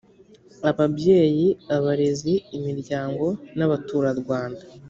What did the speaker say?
ababyeyi abarezi imiryango n’abaturarwanda